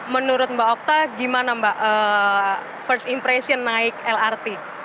menurut mbak okta gimana mbak first impression naik lrt